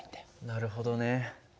なるほどね。